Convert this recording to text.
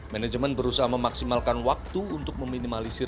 manajemen berusaha memaksimalkan waktu untuk meminimalisir